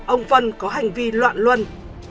ông vân có hành vi loạn luân